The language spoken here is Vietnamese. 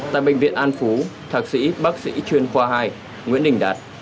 tại bệnh viện an phú thạc sĩ bác sĩ chuyên khoa hai nguyễn đình đạt